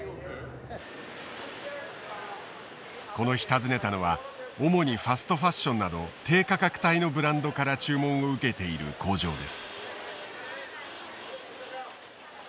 この日訪ねたのは主にファストファッションなど低価格帯のブランドから注文を受けている工場です。